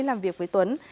làm việc với tuấn